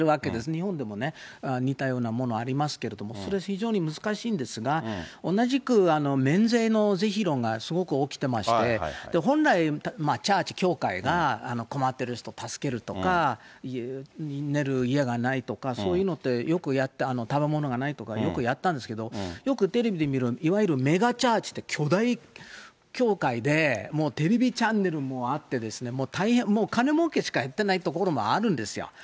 日本でもね、似たようなものありますけれども、それ、非常に難しいんですが、同じく免税の是非論がすごく起きてまして、本来、チャーチ・教会が困ってる人助けるとか、寝る家がないとか、そういうのってよくやって、食べ物がないとかってよくやったんですけど、よくテレビで見るの、いわゆるメガチャーチルってメガ教会で、もうテレビチャンネルもあって、大変、もう金もうけしかやってないところもあるんですよ。